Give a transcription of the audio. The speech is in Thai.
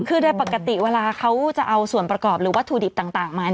คือโดยปกติเวลาเขาจะเอาส่วนประกอบหรือวัตถุดิบต่างมา